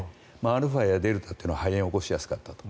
アルファやデルタというのは肺炎を起こしやすかったと。